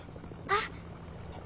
あっ！